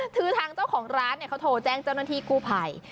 คือทางเจ้าของร้านเขาโทรแจ้งเจ้าหน้าที่กู้ภัย